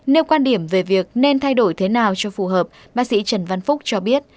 nêu quan điểm về việc nên thay đổi thế nào cho phù hợp bác sĩ trần văn phúc cho biết